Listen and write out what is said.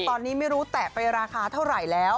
ตอนนี้ไม่รู้แตะไปราคาเท่าไหร่แล้ว